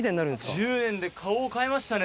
１０年で顔を変えましたね